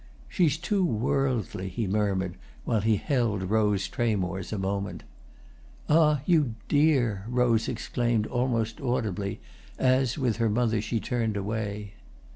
"She's too worldly," he murmured, while he held Rose Tramore's a moment. "Ah, you dear!" Rose exclaimed almost audibly as, with her mother, she turned away.